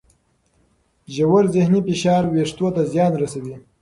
ژور ذهني فشار وېښتو ته زیان رسوي.